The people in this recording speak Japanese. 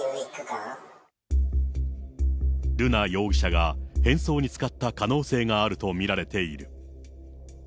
瑠奈容疑者が変装に使った可能性があると見られている。